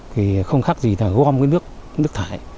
thì không khác gì là gom cái nước thải